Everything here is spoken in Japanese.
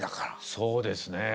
そうですね。